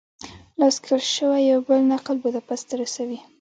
لاس کښل شوی یو بل نقل بوداپست ته رسوي.